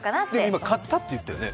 今、買ったって言ったよね？